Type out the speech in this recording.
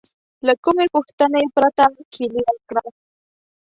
له کومې پوښتنې پرته کیلي ورکړه.